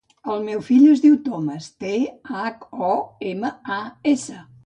El meu fill es diu Thomas: te, hac, o, ema, a, essa.